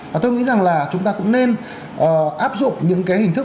và tôi nghĩ rằng là chúng ta cũng nên áp dụng những cái hình thức